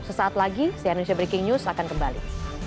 sesaat lagi si anuncia breaking news akan kembali